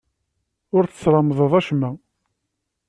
Ur tesremdeḍ acemma.